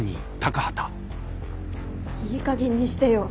いいかげんにしてよ！